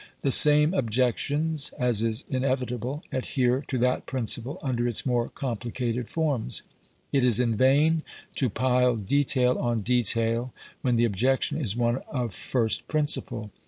The same objections, as is inevitable, adhere to that principle under its more complicated forms. It is in vain to pile detail on detail when the objection is one of first principle.